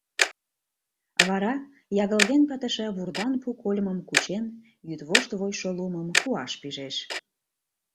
Вара, ягылген пытыше вурдан пу кольмым кучен, йӱдвошт вочшо лумым куаш пижеш.